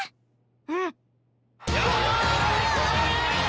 うん！